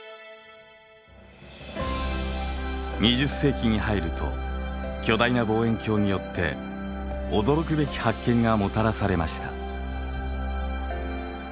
２０世紀に入ると巨大な望遠鏡によって驚くべき発見がもたらされました。